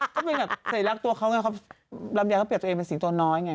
เศรษฐ์รักตัวเขาไงครับรำยาเขาเปลี่ยนตัวเองเป็นสิงโตน้อยไง